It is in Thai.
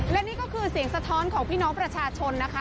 และนี่ก็คือเสียงสะท้อนของพี่น้องประชาชนนะคะ